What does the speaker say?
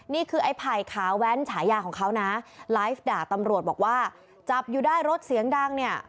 นี่คือไอ้ไผ่ขาแว้นฉายาของเขานะไลฟ์ด่าตำรวจบอกว่าจับอยู่ได้รถเสียงดังเนี่ย